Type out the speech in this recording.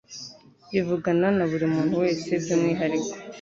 rivugana na buri muntu wese by’umwihariko,